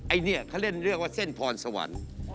อันนี้เขาเล่นเรียกว่าเส้นพรสวรรค์